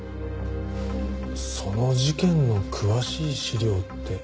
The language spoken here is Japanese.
その事件の詳しい資料ってありますか？